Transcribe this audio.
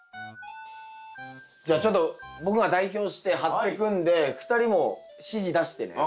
じゃあちょっと僕が代表して貼っていくんで２人も指示出してね。